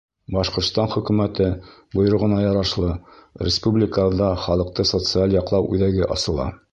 Башҡортостан Хөкүмәте бойороғона ярашлы, республикабыҙҙа Халыҡты социаль яҡлау үҙәге асыла.